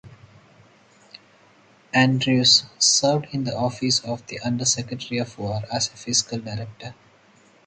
Andrews served in the office of the Under-Secretary of War as a fiscal director.